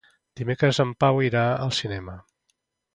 Dimecres en Pau irà al cinema.